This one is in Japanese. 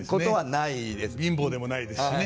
貧乏でもないですしね。